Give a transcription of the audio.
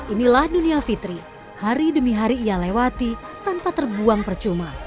inilah dunia fitri hari demi hari ia lewati tanpa terbuang percuma